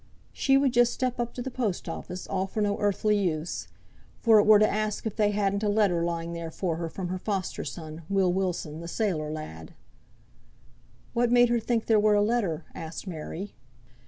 "She would just step to the post office, all for no earthly use. For it were to ask if they hadn't a letter lying there for her from her foster son Will Wilson, the sailor lad." "What made her think there were a letter?" asked Mary.